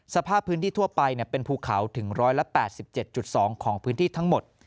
สภาพพื้นที่ทั่วไปเป็นภูเขาถึง๑๘๗๒ของพื้นที่ทั้งหมด